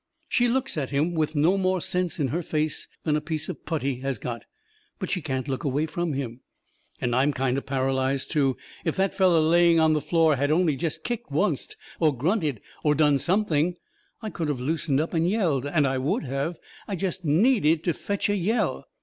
She looks at him with no more sense in her face than a piece of putty has got. But she can't look away from him. And I'm kind o' paralyzed, too. If that feller laying on the floor had only jest kicked oncet, or grunted, or done something, I could of loosened up and yelled, and I would of. I jest NEEDED to fetch a yell.